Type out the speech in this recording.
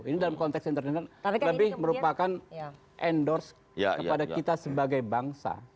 ini dalam konteks internal lebih merupakan endorse kepada kita sebagai bangsa